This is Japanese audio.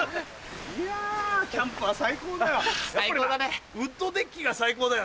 いやキャンプは最高だよ。